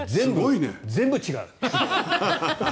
全部違う。